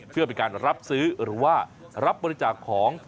เพื่อเป็นการรับซื้อหรือว่ารับบริจาคของ